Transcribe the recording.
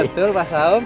betul pak saum